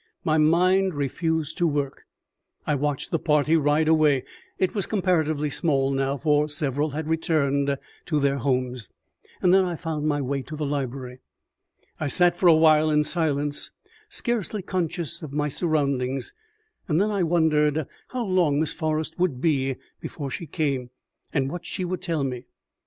My mind refused to work. I watched the party ride away it was comparatively small now, for several had returned to their homes and then I found my way to the library. I sat for a while in silence, scarcely conscious of my surroundings; and then I wondered how long Miss Forrest would be before she came, and what she would tell me.